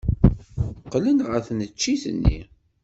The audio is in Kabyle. Qqlen ɣer tneččit-nni.